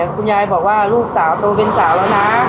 คุณยายบอกว่าลูกสาวโตเป็นสาวแล้วนะ